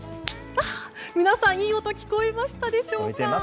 皆さん、いい音聞こえましたでしょうか。